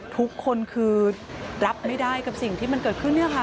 ทุกคนคือรับไม่ได้กับสิ่งที่มันเกิดขึ้นเนี่ยค่ะ